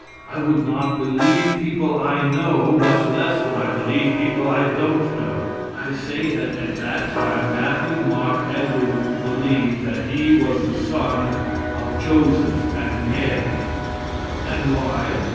I would not believe people I know, much less would I believe people I don't know. I say that at that time Matthew, Mark and Luke believed that He was the son of Joseph and Mary. And why?